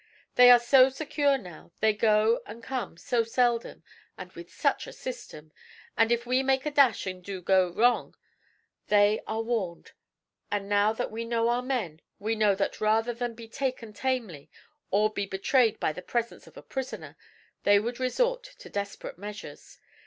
They are so secure now, they go and come so seldom, and with such system! And if we make a dash and do go wrong, they are warned; and now that we know our men, we know that rather than be taken tamely, or be betrayed by the presence of a prisoner, they would resort to desperate measures.